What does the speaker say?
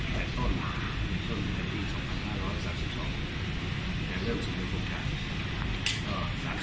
ก็อ่ะผมต้องอยู่อ่าน